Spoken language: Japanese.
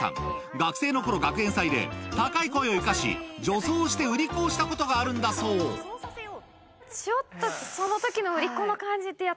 学生の頃学園祭で高い声を生かし女装をして売り子をしたことがあるんだそうちょっと。